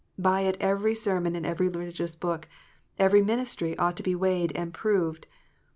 By it every sermon, and every religious book, and every ministry, ought to be weighed and proved.